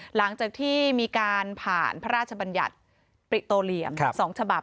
หลังจากที่มีการผ่านพระราชบัญญัติปริโตเหลี่ยม๒ฉบับ